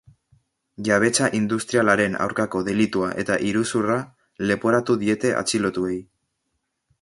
Jabetza industrialaren aurkako delitua eta iruzurra leporatu diete atxilotuei.